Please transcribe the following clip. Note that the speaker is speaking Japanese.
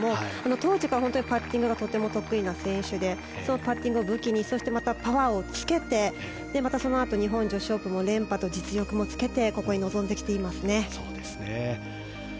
当時からパッティングがとても得意な選手でパッティングを武器にまた、パワーをつけてそのあと日本女子オープン連覇と、実力もつけてここに臨んできていますね。